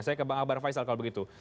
saya ke bang akbar faisal kalau begitu